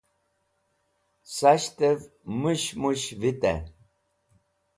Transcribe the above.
Sashtev Mushmush Vitey